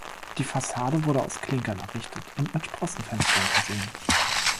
Die Fassade wurde aus Klinkern errichtet und mit Sprossenfenstern versehen.